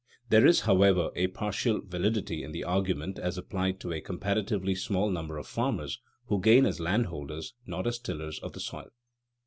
There is, however, a partial validity in the argument as applied to a comparatively small number of farmers, who gain as landholders, not as tillers of the soil.